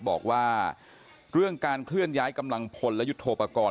บอกว่าเรื่องการเคลื่อนย้ายกำลังพลและยุทธโทปกรณ์